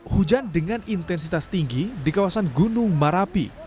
hujan dengan intensitas tinggi di kawasan gunung marapi